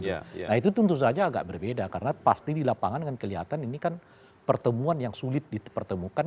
nah itu tentu saja agak berbeda karena pasti di lapangan kan kelihatan ini kan pertemuan yang sulit dipertemukan